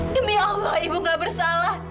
demi allah ibu gak bersalah